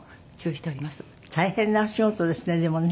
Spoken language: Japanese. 大変なお仕事ですねでもね。